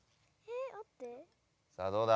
さあどうだ？